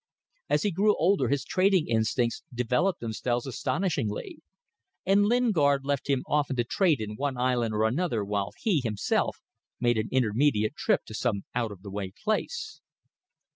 As he grew older his trading instincts developed themselves astonishingly, and Lingard left him often to trade in one island or another while he, himself, made an intermediate trip to some out of the way place.